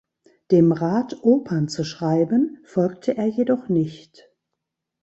Dem Rat, Opern zu schreiben, folgte er jedoch nicht.